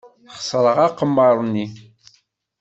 Xeṣreɣ aqemmer-nni.